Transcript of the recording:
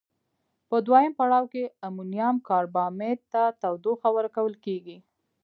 په دویم پړاو کې امونیم کاربامیت ته تودوخه ورکول کیږي.